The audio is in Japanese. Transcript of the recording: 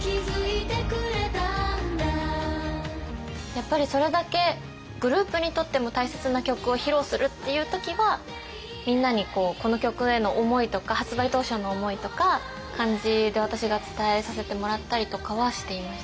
やっぱりそれだけグループにとっても大切な曲を披露するっていう時はみんなにこの曲への思いとか発売当初の思いとか感じで私が伝えさせてもらったりとかはしていました。